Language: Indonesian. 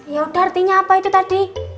yaudah artinya apa itu tadi